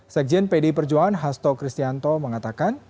sekjen pdi perjuangan hasto kristianto mengatakan